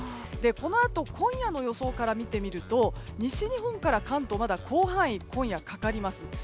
このあと今夜の予想から見てみると西日本から関東はまだ広範囲今夜かかります。